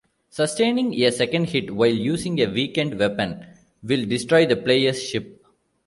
Sustaining a second hit while using a weakened weapon will destroy the player's ship.